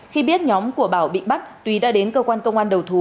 khi biết nhóm của bảo bị bắt túy đã đến cơ quan công an đầu thú